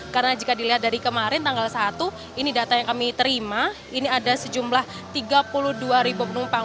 karena jika dilihat dari kemarin tanggal satu ini data yang kami terima ini ada sejumlah tiga puluh dua penumpang